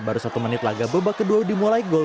baru satu menit laga babak kedua dimulai gol